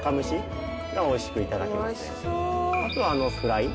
あとはフライ。